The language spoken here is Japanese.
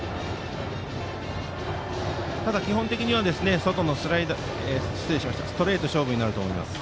ただ基本的には外のストレート勝負になると思います。